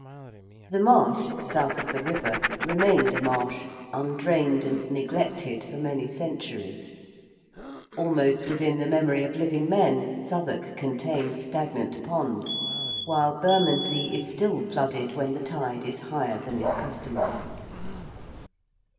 The marsh, south of the river, remained a marsh, undrained and neglected for many centuries. Almost within the memory of living men Southwark contained stagnant ponds, while Bermondsey is still flooded when the tide is higher than is customary.